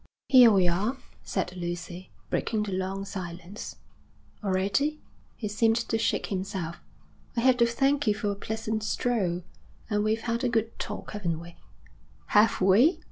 'Here we are,' said Lucy, breaking the long silence. 'Already?' He seemed to shake himself. 'I have to thank you for a pleasant stroll, and we've had a good talk, haven't we?' 'Have we?'